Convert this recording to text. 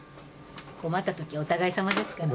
困ったときはお互いさまですから。